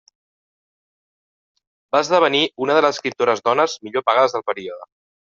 Va esdevenir una de les escriptores dones millor pagades del període.